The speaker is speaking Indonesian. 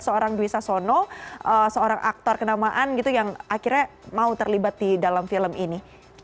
seorang dwi sasono seorang aktor kenamaan gitu yang akhirnya mau terlibat di dalam film ini